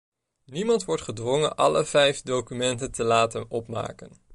Niemand wordt gedwongen alle vijf documenten te laten opmaken.